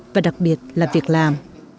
và đặc biệt là việc làm